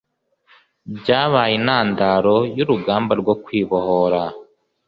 byabaye intandaro y'urugamba rwo kwibohora